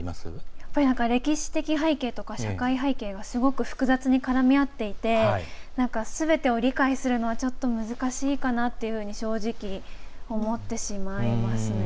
やっぱり歴史的な背景とか社会背景がすごく複雑に絡み合っていてすべてを理解するのはちょっと難しいかなというふうに正直思ってしまいますね。